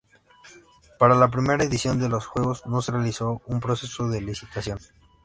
Para la primera edición de los juegos no se realizó un proceso de licitación.